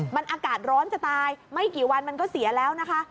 มันอากาศร้อนจะตายไม่กี่วันมันก็เสียแล้วนะคะ